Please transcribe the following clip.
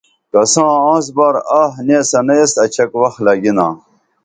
کساں آنس بار آہ نیسنہ ایس اڇھک وخ لگِنا